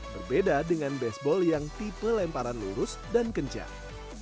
berbeda dengan baseball yang tipe lemparan lurus dan kencang